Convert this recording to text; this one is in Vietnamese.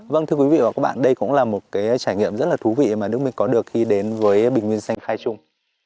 vâng thưa quý vị và các bạn đây cũng là một cái trải nghiệm rất là thú vị mà đức minh có được khi đến với bình nguyên xanh khai trung